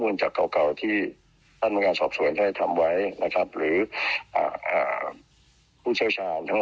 และก็เพื่อมาประมวลเรื่อง